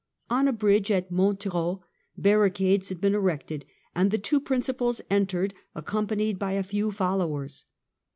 On a bridge at Montereau barricades had been erected, and the two principals entered accompanied by a few followers.